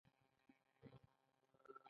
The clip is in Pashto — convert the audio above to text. خبره د زړه پنجره ده